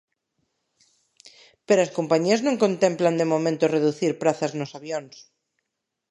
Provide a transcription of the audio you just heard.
Pero as compañías non contemplan, de momento, reducir prazas nos avións.